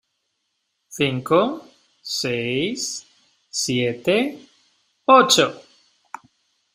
cinco, seis , siete , ocho.